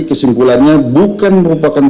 kesimpulannya bukan merupakan